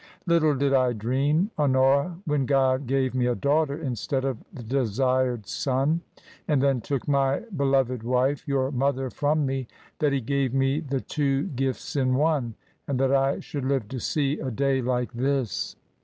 Little did I dream, Honora, when God gave me a daughter instead of the desired son, and then took my beloved wife your mother from me, that he gave me the two gifts in one, and that I should live to see a day like this.